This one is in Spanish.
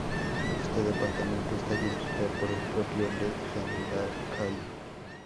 Este departamento está dirigido por el propio lehendakari.